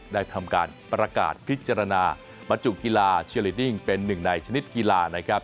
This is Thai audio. ได้ทำการประกาศพิจารณาบรรจุกีฬาเชียลิดดิ้งเป็นหนึ่งในชนิดกีฬานะครับ